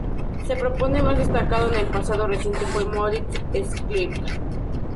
Su proponente más destacado, en el pasado reciente, fue Moritz Schlick.